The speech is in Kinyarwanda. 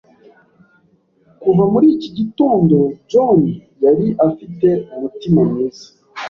Kuva muri iki gitondo, John yari afite umutima mwiza.